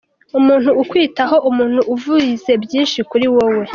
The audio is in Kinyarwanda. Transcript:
Umuntu ukwitaho, umuntu uvuze byinshi kuri wowe.